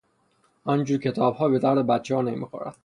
آنجور کتابها به درد بچهها نمیخورد.